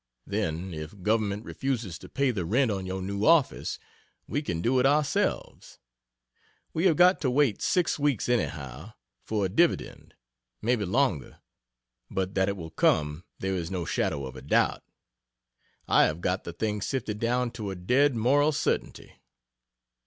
Then, if Government refuses to pay the rent on your new office we can do it ourselves. We have got to wait six weeks, anyhow, for a dividend, maybe longer but that it will come there is no shadow of a doubt, I have got the thing sifted down to a dead moral certainty.